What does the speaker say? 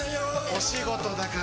お仕事だから。